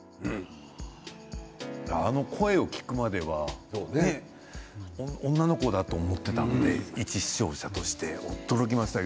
あの声を聞くまでは女の子だと思っていたので一視聴者としては驚きました。